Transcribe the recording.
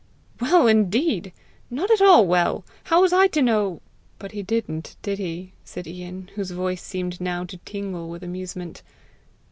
"Well indeed! Not at all well! How was I to know " "But he didn't did he?" said Ian, whose voice seemed now to tingle with amusement.